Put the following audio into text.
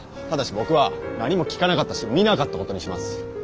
ただし僕は何も聞かなかったし見なかったことにします。